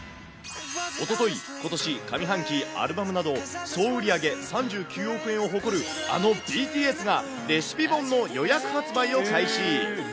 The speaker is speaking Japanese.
おととい、ことし上半期アルバムなど、総売り上げ３９億円を誇る、あのＢＴＳがレシピ本の予約発売を開始。